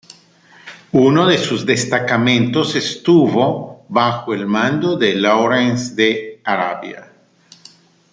Uno de sus destacamentos estuvo bajo el mando de Lawrence de Arabia.